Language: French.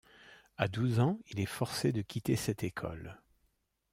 À douze ans il est forcé de quitter cette école.